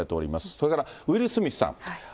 それからウィル・スミスさん。